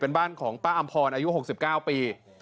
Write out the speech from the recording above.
เป็นบ้านของป้าอำพรอายุ๖๙ปี